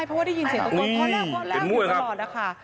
พอเล่าก็เล่าถึงตลอดนะค่ะ